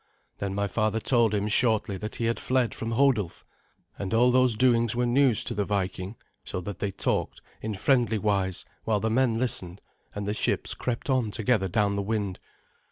Then my father told him shortly that he had fled from Hodulf; and all those doings were news to the Viking, so that they talked in friendly wise, while the men listened, and the ships crept on together down the wind.